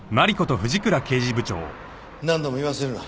何度も言わせるな。